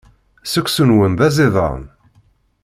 Seksu-nwen d aẓidan.